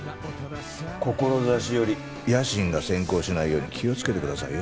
志より野心が先行しないように気をつけてくださいよ。